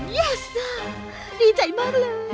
ยีสสาดีใจมากเลย